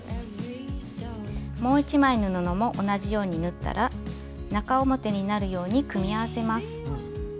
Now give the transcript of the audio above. もう一枚の布も同じように縫ったら中表になるように組み合わせます。